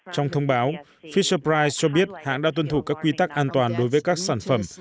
trong thông báo fisherpride cho biết hãng đã tuân thủ các quy tắc an toàn đối với các sản phẩm